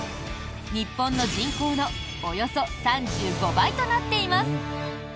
日本の人口のおよそ３５倍となっています。